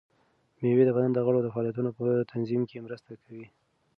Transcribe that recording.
مېوې د بدن د غړو د فعالیتونو په تنظیم کې مرسته کوي.